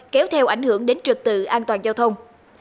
kéo theo ảnh hưởng đến trực tự an toàn giao thông